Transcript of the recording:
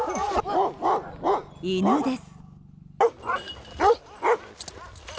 犬です。